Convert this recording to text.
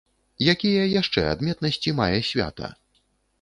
Якія яшчэ адметнасці мае свята?